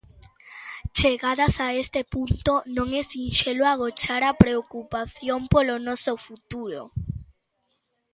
Chegadas a este punto non é sinxelo agochar a preocupación polo noso futuro.